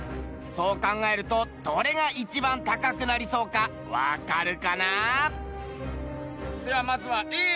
そう考えるとどれが一番高くなりそうかわかるかな？